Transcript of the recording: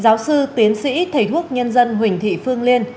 giáo sư tiến sĩ thầy thuốc nhân dân huỳnh thị phương liên